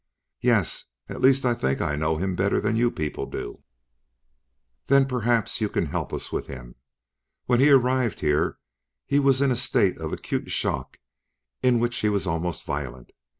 "Yes. At least, I think I know him better than you people do." "Then perhaps you can help us with him. When he arrived here, he was in a state of acute shock in which he was almost violent.